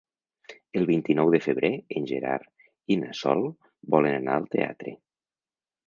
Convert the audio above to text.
El vint-i-nou de febrer en Gerard i na Sol volen anar al teatre.